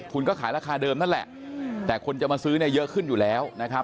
คุณก็ขายราคาเดิมนั่นแหละแต่คนจะมาซื้อเนี่ยเยอะขึ้นอยู่แล้วนะครับ